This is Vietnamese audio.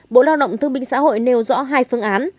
bộ lao động thương minh xã hội nêu rõ hai phương án